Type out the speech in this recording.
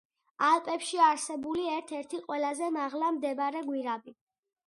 ალპებში არსებული ერთ-ერთი ყველაზე მაღლა მდებარე გვირაბი.